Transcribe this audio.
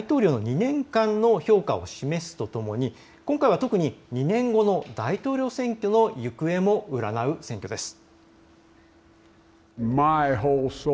中間選挙は大統領の２年間の評価を示すとともに今回は特に２年後の大統領選挙の行方も占う選挙です。